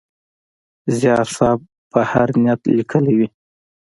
زیار صېب په هر نیت لیکلی وي.